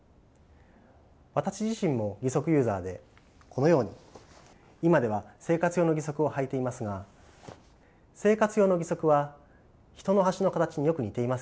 私自身も義足ユーザーでこのように今では生活用の義足をはいていますが生活用の義足は人の足の形によく似ていますよね。